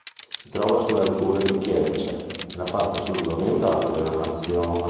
Si trova sulle alture di Kielce, nella parte sud-orientale della nazione.